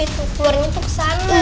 tuh keluarnya tuh kesana